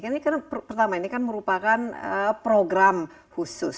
ini kan pertama ini kan merupakan program khusus